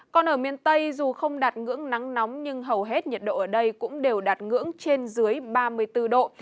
còn ở miền tây dù không đạt ngưỡng nắng nóng nhưng hầu hết nhiệt độ ở đây cũng đều đạt ngưỡng trên dưới ba mươi bốn độ